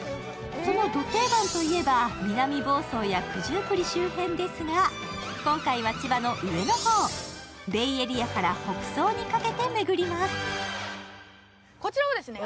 そのド定番といえば、南房総や九十九里周辺ですが今回は千葉の上の方、ベイエリアから北総にかけて巡ります。